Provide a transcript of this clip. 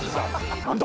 何だ？